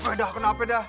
kenapa dah kenapa dah